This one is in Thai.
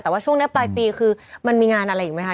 แต่ว่าช่วงนี้ปลายปีคือมันมีงานอะไรอีกไหมคะ